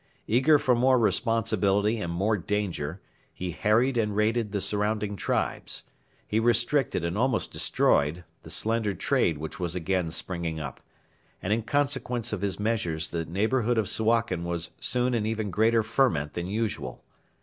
Eager for more responsibility and more danger, he harried and raided the surrounding tribes; he restricted and almost destroyed the slender trade which was again springing up, and in consequence of his measures the neighbourhood of Suakin was soon in even greater ferment than usual.